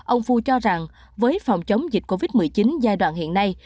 ông phu cho rằng với phòng chống dịch covid một mươi chín giai đoạn hiện nay